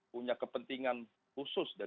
punya kepentingan khusus dan